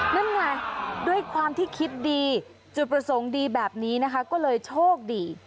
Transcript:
นั่นไงด้วยความที่คิดดีจุดประสงค์ดีแบบนี้นะคะก็เลยโชคดี